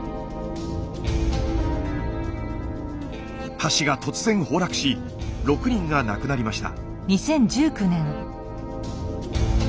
橋が突然崩落し６人が亡くなりました。